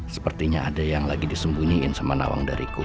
sepertinya ada yang lagi disembunyiin sama nawang dariku